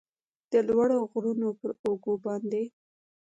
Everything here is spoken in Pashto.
د لوړو غرونو پراوږو باندې